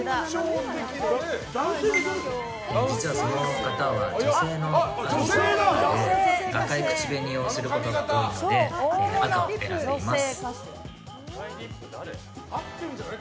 実は、その方は女性のアーティストの方で赤い口紅をすることが多いので赤を選んでいます。